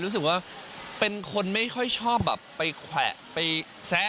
รู้สึกว่าเป็นคนไม่ค่อยชอบแบบไปแขวะไปแซะ